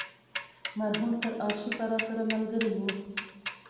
مرهون تر آرشیفه راسره ملګری و.